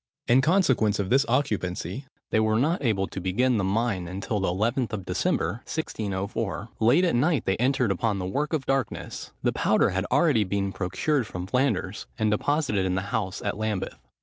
In consequence of this occupancy, they were not able to begin the mine until the 11th of December, 1604. Late at night they entered upon the work of darkness! The powder had already been procured from Flanders, and deposited in the house at Lambeth.